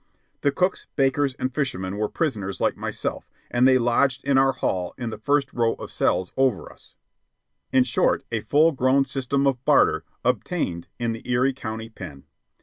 The cooks, bakers, and firemen were prisoners like myself, and they lodged in our hall in the first row of cells over us. In short, a full grown system of barter obtained in the Erie County Pen.